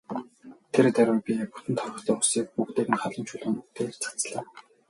Тэр даруй би бүтэн торхтой усыг бүгдийг нь халуун чулуунууд дээр цацлаа.